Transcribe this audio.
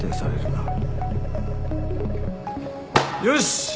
よし。